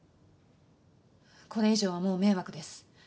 これ以上はもう迷惑です。